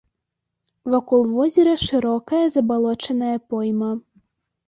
Вакол возера шырокая забалочаная пойма.